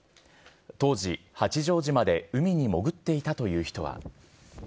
当時、八丈島で海に潜っていたという人は。